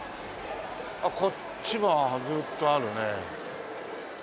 あっこっちはずっとあるね。